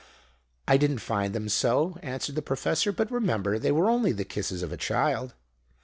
"I didn't find them so," answered the Professor. "But remember, they were only the kisses of a child."